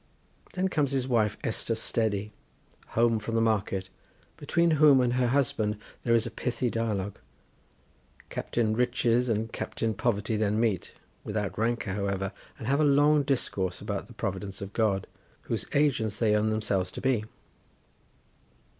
Then comes his wife, Esther Steady, home from the market, between whom and her husband there is a pithy dialogue. Captain Riches and Captain Poverty then meet, without rancour, however, and have a long discourse about the providence of God, whose agents they own themselves to be.